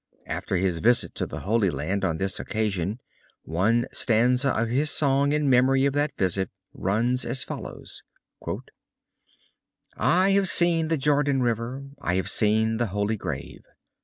After his visit to the Holy Land on this occasion one stanza of his song in memory of that visit runs as follows: [Footnote 19: Translated by Roscoe.] I have seen the Jordan river, I have seen the holy grave.